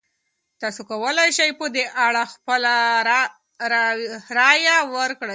تاسو کولی شئ په دې اړه خپله رایه ورکړئ.